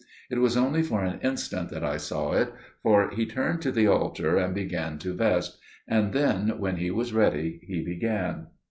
It was only for an instant that I saw it, for he turned to the altar and began to vest: and then when he was ready he began.